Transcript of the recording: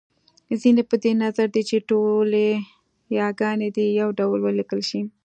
ځينې په دې نظر دی چې ټولې یاګانې دې يو ډول وليکل شي